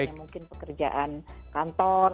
yang mungkin pekerjaan kantor